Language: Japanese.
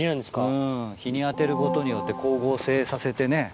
うん日に当てることによって光合成させてね